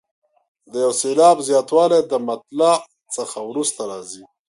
د یو سېلاب زیاتوالی د مطلع څخه وروسته راځي.